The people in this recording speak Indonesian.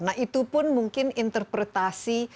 nah itu pun mungkin interpretasi